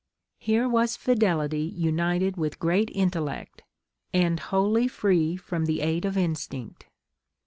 Here was fidelity united with great intellect, and wholly free from the aid of instinct.